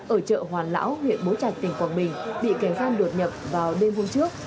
ở chợ hoàn lão huyện bố trạch tỉnh quảng bình bị kẻ gian đột nhập vào đêm hôm trước